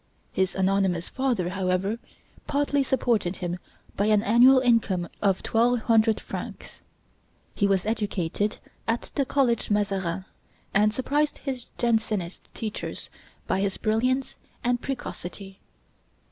His anonymous father, however, partly supported him by an annual income of twelve hundred francs. He was educated at the college Mazarin, and surprised his Jansenist teachers by his brilliance and precocity.